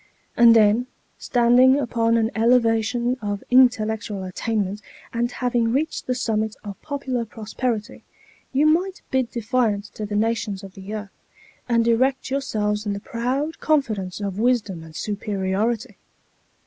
And then, standing upon an elevation of intellectual attainment, and having reached the summit of popular prosperity, you might bid defiance to the nations of the earth, and erect yourselves in the proud confidence of wisdom and superiority.